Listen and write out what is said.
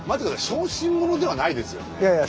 小心者ではないですよね。